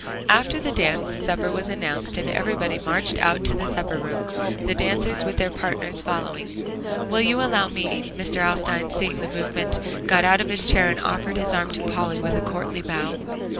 After the dance, supper was announced, and everybody marched out to the supper room; the dancers with their partners following. "Will you allow me?" Mr. Alstyne seeing the movement, got out of his chair and offered his arm to Polly with a courtly bow.